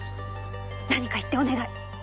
何か言ってお願い。